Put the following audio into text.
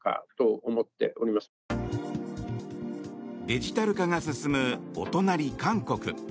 デジタル化が進むお隣、韓国。